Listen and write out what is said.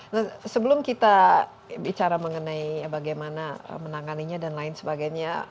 nah sebelum kita bicara mengenai bagaimana menanganinya dan lain sebagainya